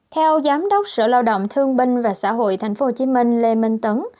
theo giám đốc sở lao động thương binh và xã hội tp hcm lê minh tấn